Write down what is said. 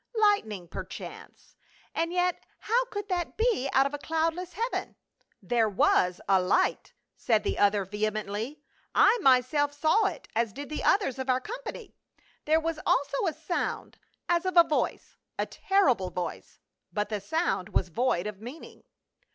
Lightning perchance, and yet how could that be out of a cloud less heaven ?" "There was a light," said the other vehemently; " I myself saw it, as did the others of our company ; there was also a sound, as of a voice — a terrible voice, but the sound was void of meaning."